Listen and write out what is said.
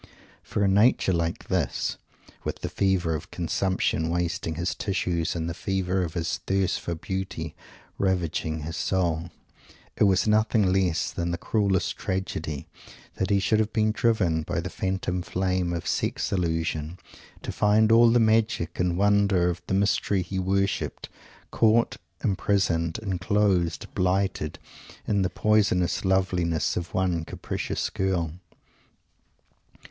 For a nature like this, with the fever of consumption wasting his tissues, and the fever of his thirst for Beauty ravaging his soul, it was nothing less than the cruellest tragedy that he should have been driven by the phantom flame of sex illusion to find all the magic and wonder of the Mystery he worshiped, caught, imprisoned, enclosed, blighted, in the poisonous loveliness of one capricious girl.